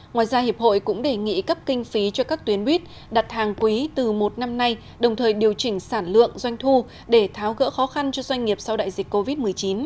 ngoài ra hiệp hội cũng đề nghị cấp kinh phí cho các tuyến buýt đặt hàng quý từ một năm nay đồng thời điều chỉnh sản lượng doanh thu để tháo gỡ khó khăn cho doanh nghiệp sau đại dịch covid một mươi chín